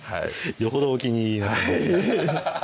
よほどお気に入りになったんですね